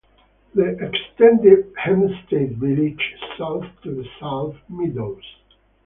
They extended Hempstead village south to the salt meadows.